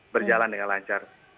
berjalan dengan lancar